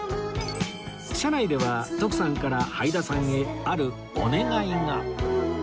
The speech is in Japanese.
車内では徳さんからはいださんへあるお願いが